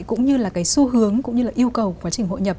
cũng như là cái xu hướng cũng như là yêu cầu của quá trình hội nhập